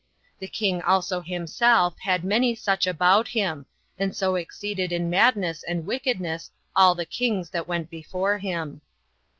The king also himself had many such about him, and so exceeded in madness and wickedness all [the kings] that went before him.